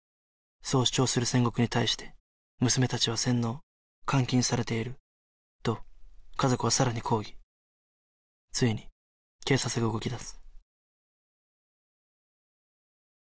そう主張する千石に対して「娘達は洗脳監禁されている」と家族はさらに抗議ついに警察が動きだす